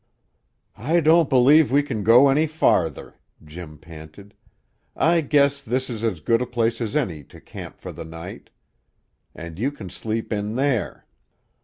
"I don't believe we can go any farther," Jim panted. "I guess this is as good a place as any to camp for the night, and you can sleep in there."